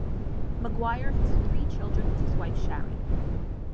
Maguire has three children with his wife Sharon.